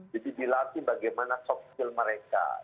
jadi dilatih bagaimana sopsil mereka